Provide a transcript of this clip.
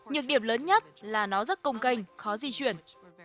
nhược điểm lớn nhất là nó rất công canh khó di chuyển